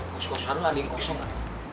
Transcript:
kos kosan lu ada yang kosong gak